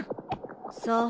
そう。